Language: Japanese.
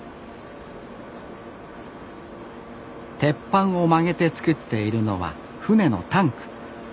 鉄板を曲げて造っているのは船のタンク。